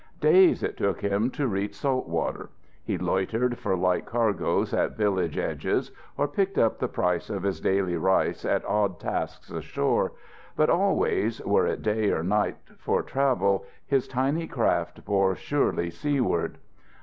Days it took him to reach salt water. He loitered for light cargoes at village edges, or picked up the price of his daily rice at odd tasks ashore, but always, were it day or night for travel, his tiny craft bore surely seaward.